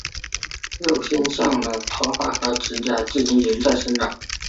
肉身像的头发和指甲至今仍在生长。